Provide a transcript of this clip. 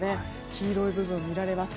黄色い部分が見られます。